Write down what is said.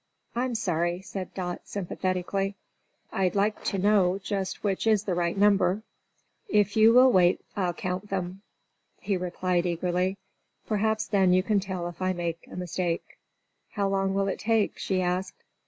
"I'm sorry," said Dot, sympathetically; "I'd like to know just which is the right number." "If you will wait I'll count them," he replied, eagerly. "Perhaps then you can tell if I make a mistake." "How long will it take?" she asked.